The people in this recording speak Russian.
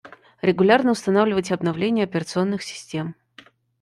Регулярно устанавливать обновления операционных систем